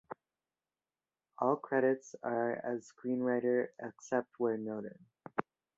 All credits are as screenwriter except where noted.